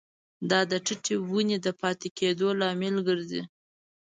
دا د ټیټې ونې د پاتې کیدو لامل ګرځي.